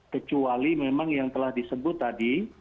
kecuali memang yang telah disebut tadi